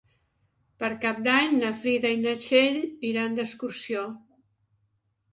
Per Cap d'Any na Frida i na Txell iran d'excursió.